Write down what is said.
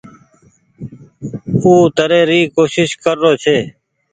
او تري ري ڪوشش ڪر رو ڇي۔